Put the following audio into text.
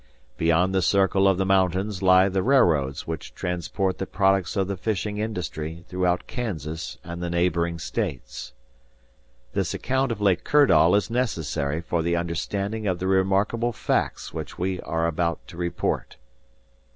Beyond the circle of the mountains lie the railroads which transport the products of the fishing industry throughout Kansas and the neighboring states. "This account of Lake Kirdall is necessary for the understanding of the remarkable facts which we are about to report."